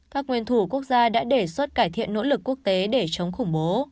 các nguyên thủ quốc gia đã đề xuất cải thiện nỗ lực quốc tế để chống khủng bố